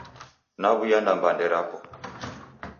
Naw'uya na mbande rapo